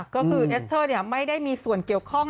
ก็คือเอสเตอร์ไม่ได้มีส่วนเกี่ยวข้อง